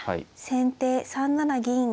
先手３七銀。